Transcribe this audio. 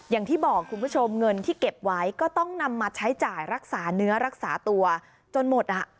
อย่างที่บอกคุณผู้ชมเงินที่เก็บไว้ก็ต้องนำมาใช้จ่ายรักษาเนื้อรักษาตัวจนหมดอ่ะ